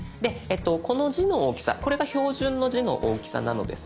この字の大きさこれが標準の字の大きさなのですが。